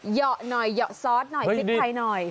เหยาะหน่อยเหยาะซอสหน่อยพริกไทยหน่อย